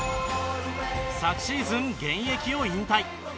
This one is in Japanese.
昨シーズン現役を引退。